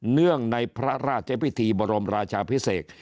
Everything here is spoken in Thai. เนื่องในพระราชพิธีบรมราชาพิเศษ